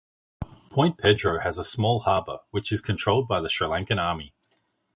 Point Pedro has a small harbour, which is controlled by the Sri Lankan army.